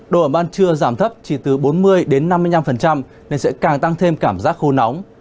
đồ ở ban trưa giảm thấp chỉ từ bốn mươi đến năm mươi năm nên sẽ càng tăng thêm cảm giác khô nóng